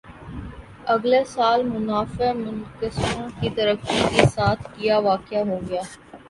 اگلے سال منافع منقسمہ کی ترقی کے ساتھ کِیا واقع ہو گا